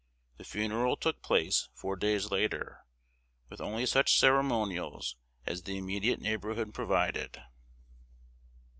The funeral took place four days later, with only such ceremonials as the immediate neighborhood provided.